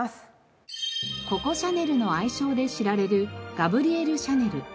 ココ・シャネルの愛称で知られるガブリエル・シャネル。